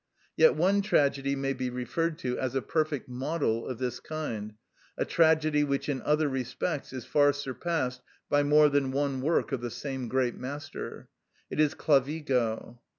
Yet one tragedy may be referred to as a perfect model of this kind, a tragedy which in other respects is far surpassed by more than one work of the same great master; it is "Clavigo."